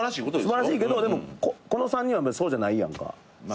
素晴らしいけどでもこの３人はそうじゃないやんか。